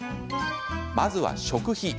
まずは食費。